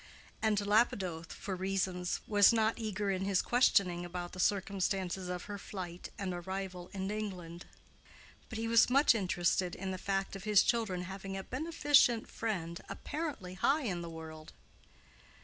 And Lapidoth, for reasons, was not eager in his questioning about the circumstances of her flight and arrival in England. But he was much interested in the fact of his children having a beneficent friend apparently high in the world.